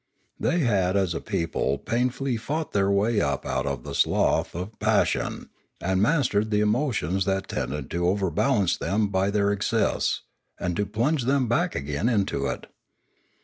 They had as a people pain fully fought their way up out of the slough of passion, and mastered the emotions that tended to overbalance them by their excess, and to plunge them back again into it.